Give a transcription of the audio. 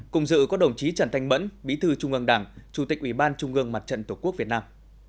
cùng dự có đồng chí trần thanh mẫn bí thư trung ương đảng chủ tịch ủy ban trung ương mặt trận tổ quốc việt nam